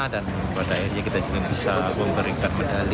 dan berdayanya kita juga bisa memberikan medali